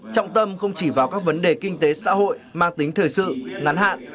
trọng tâm không chỉ vào các vấn đề kinh tế xã hội mang tính thời sự ngắn hạn